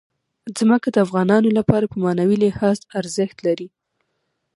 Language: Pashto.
ځمکه د افغانانو لپاره په معنوي لحاظ ارزښت لري.